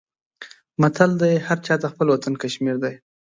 متل دی: هر چاته خپل وطن کشمیر دی.